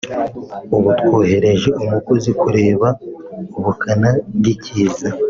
ubu twohereje umukozi kureba ubukana bw’ikiza